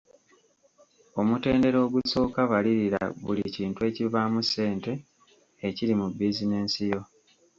Omutendera ogusooka Balirira buli kintu ekivaamu ssente ekiri mu bizinensi yo.